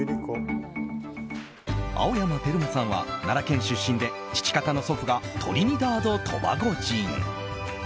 青山テルマさんは奈良県出身で父方の祖父がトリニダード・トバゴ人。